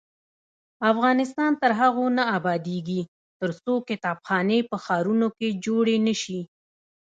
افغانستان تر هغو نه ابادیږي، ترڅو کتابخانې په ښارونو کې جوړې نشي.